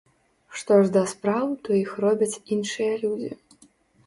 Што ж да спраў, то іх робяць іншыя людзі.